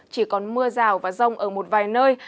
chỉ còn mưa rào và rông ở một vài nơi